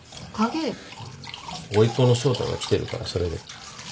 おいっ子の翔太が来てるからそれで。